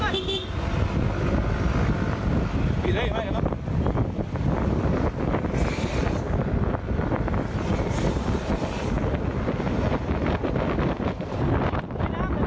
ได้มีการหลบหนีนะครับ